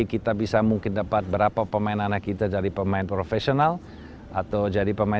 di tahun pertama berdirinya papua football academy